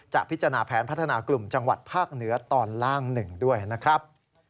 พิจารณาแผนพัฒนากลุ่มจังหวัดภาคเหนือตอนล่างหนึ่งด้วยนะครับ